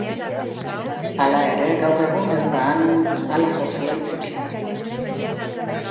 Hala ere, gaur egun ez da han halako zuhaitzik.